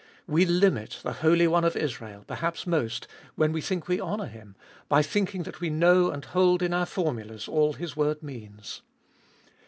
We limit the Holy One of Israel perhaps most when we think we honour Him, by thinking that we know and hold in our formulas all His word means.